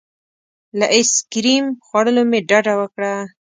له ایس کریم خوړلو مې ډډه وکړه.